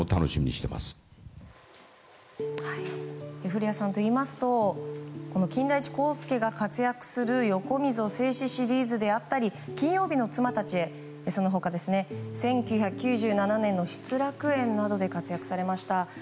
古谷さんといいますと金田一耕助が活躍する横溝正史シリーズであったり「金曜日の妻たちへ」やその他、１９９７年の「失楽園」などで活躍されました。